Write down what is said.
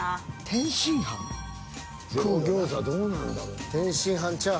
ゼロ餃子どうなんだろう。